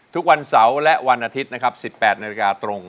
ทุกวันเสาร์และวันอาทิตย์นะครับ๑๘นาฬิกาตรง